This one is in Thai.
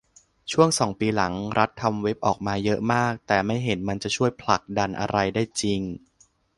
ช่วงสองปีหลัง รัฐทำเว็บออกมาเยอะมาก แต่ไม่เห็นมันจะช่วยผลักดันอะไรได้จริง